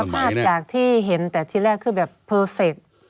ภาพจากที่เห็นแต่ที่แรกคือแบบเพอร์เฟค